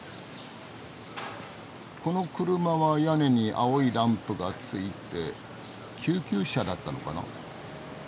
この車は屋根に青いランプがついて救急車だったのかな？